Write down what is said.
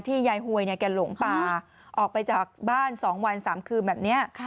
ยายหวยแกหลงป่าออกไปจากบ้าน๒วัน๓คืนแบบนี้